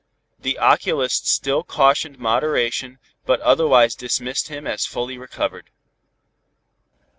The oculist still cautioned moderation, but otherwise dismissed him as fully recovered.